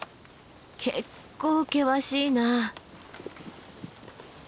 結構険しいな。